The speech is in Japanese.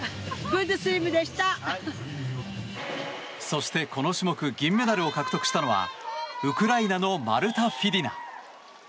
そして、この種目銀メダルを獲得したのはウクライナのマルタ・フィディナ。